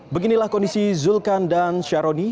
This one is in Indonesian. beginilah kondisi zulkan dan syaroni